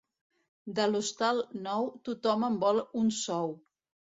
De l'hostal nou, tothom en vol un sou.